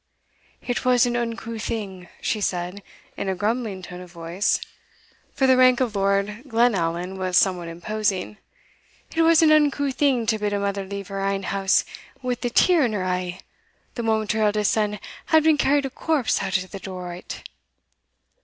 "It was an unco thing," she said, in a grumbling tone of voice, for the rank of Lord Glenallan was somewhat imposing "it was an unco thing to bid a mother leave her ain house wi' the tear in her ee, the moment her eldest son had been carried a corpse out at the door o't."